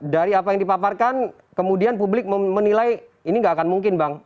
dari apa yang dipaparkan kemudian publik menilai ini nggak akan mungkin bang